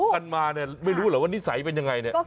พบกันมาไม่รู้หรอว่านิสัยเป็นอย่างไร